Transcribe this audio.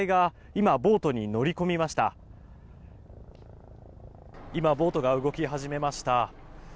今、ボートが動き始めました。